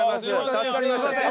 助かりました。